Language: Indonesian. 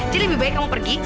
jadi lebih baik kamu pergi